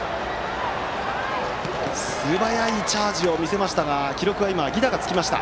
素早いチャージを見せましたが記録は犠打がつきました。